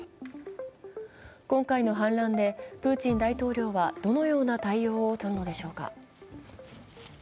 今回の反乱でプーチン大統領はどのような対応をとるのでしょうか。